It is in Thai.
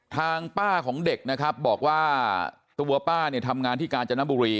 ทางป้าของเด็กนะครับบอกว่าตัวป้าเนี่ยทำงานที่กาญจนบุรี